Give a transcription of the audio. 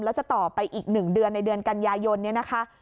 แล้วจะต่อไปอีก๑เดือนในเดือนกันยายนเนี่ยนะคะ